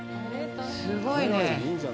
すごいね。